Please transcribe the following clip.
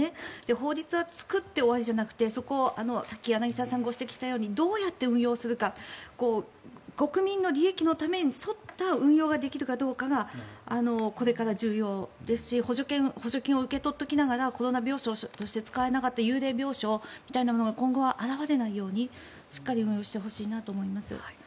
法律は作って終わりじゃなくてさっき柳澤さんが指摘されたようにどうやって運用するか国民の利益のために沿った運用ができるかどうかがこれから重要ですし補助金を受け取っておきながらコロナ病床として使えなかった幽霊病床みたいなものが今後は現れないようにしっかり運営してほしいと思います。